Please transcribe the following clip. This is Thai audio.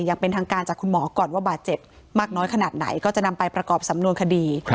อย่างเป็นทางการจากคุณหมอก่อนว่าบาดเจ็บมากน้อยขนาดไหนก็จะนำไปประกอบสำนวนคดี